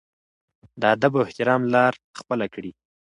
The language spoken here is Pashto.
د ادب او احترام لار خپله کړي.